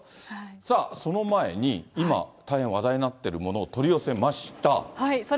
さあ、その前に今、大変話題になってるものを取り寄せました。